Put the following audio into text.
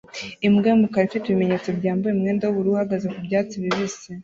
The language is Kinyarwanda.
Imbwa yumukara ifite ibimenyetso byambaye umwenda wubururu uhagaze ku byatsi bibisi